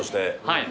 はい。